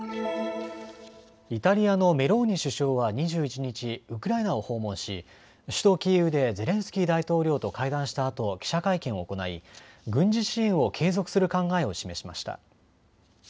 イタリアのメローニ首相は２１日、ウクライナを訪問し首都キーウでゼレンスキー大統領と会談したあと記者会見を行い軍事支援を継続する考えを示しました。